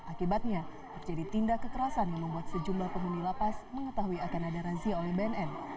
akibatnya terjadi tindak kekerasan yang membuat sejumlah penghuni lapas mengetahui akan ada razia oleh bnn